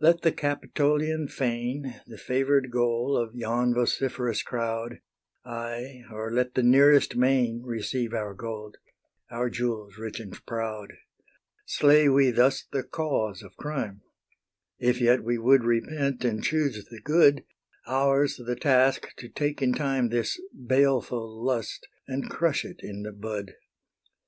Let the Capitolian fane, The favour'd goal of yon vociferous crowd, Aye, or let the nearest main Receive our gold, our jewels rich and proud: Slay we thus the cause of crime, If yet we would repent and choose the good: Ours the task to take in time This baleful lust, and crush it in the bud.